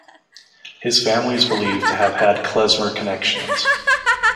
His family is believed to have had klezmer connections.